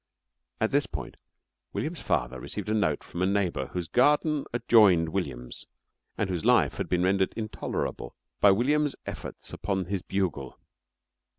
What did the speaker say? At this point William's father received a note from a neighbour whose garden adjoined William's and whose life had been rendered intolerable by William's efforts upon his bugle.